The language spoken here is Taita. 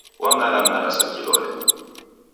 Wang'alang'ala sa kilole.